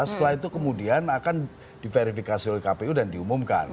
setelah itu kemudian akan diverifikasi oleh kpu dan diumumkan